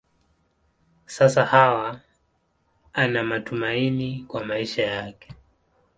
Sasa Hawa ana matumaini kwa maisha yake.